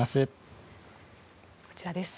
こちらです。